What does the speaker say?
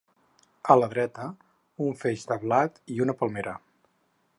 A la dreta, un feix de blat i una palmera.